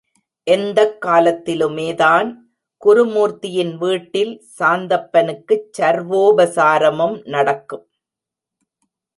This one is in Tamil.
எந்தக் காலத்திலுமேதான் குருமூர்த்தியின் வீட்டில் சாந்தப்பனுக்குச் சர்வோபசாரமும் நடக்கும்.